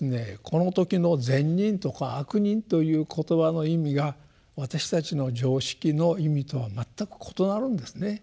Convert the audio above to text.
この時の「善人」とか「悪人」という言葉の意味が私たちの常識の意味とは全く異なるんですね。